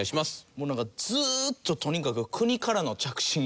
もうなんかずーっととにかく国からの着信がある。